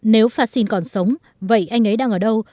nếu fassin còn sống vậy anh ấy đang ở đâu